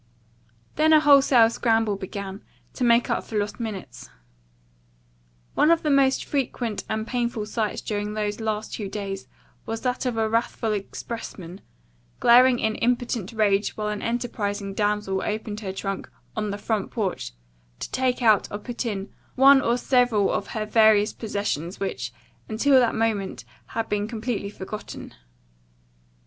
Then a wholesale scramble began, to make up for lost minutes. One of the most frequent and painful sights during those last two days was that of a wrathful expressman, glaring in impotent rage while an enterprising damsel opened her trunk on the front porch to take out or put in one or several of her various possessions which, until that moment, had been completely forgotten.